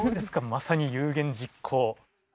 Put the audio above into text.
まさに有言実行。